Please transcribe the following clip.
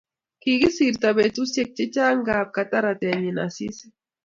Kikosirto betusiek chechang ngab kotar ratenyi Asisi